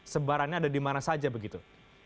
sebarannya ada dimana saja begitu